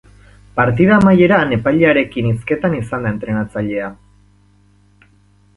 Partida amaieran epailearekin hizketan izan da entrenatzailea.